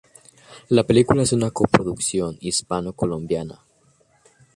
La película es una coproducción hispano-colombiana.